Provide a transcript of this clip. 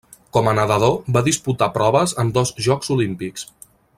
Com a nedador va disputar proves en dos Jocs Olímpics.